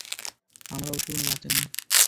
আমার অবশ্য কোনো বাচ্চা নেই।